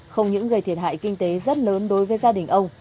không những gây thiệt hại kinh tế rất lớn đối với gia đình ông